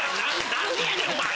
なんでやねんお前！